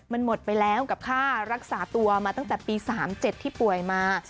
มันหมดไปแล้วกับค่ารักษาตัวมาตั้งแต่ปี๓๗ที่ป่วยมา